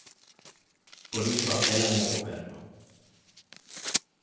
Por iso apelan ao Goberno.